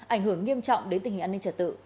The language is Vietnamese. ảnh hưởng nghiêm trọng đến tình hình an ninh trật tự